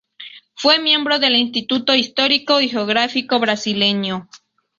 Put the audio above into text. Fue miembro del Instituto Histórico y Geográfico Brasileño.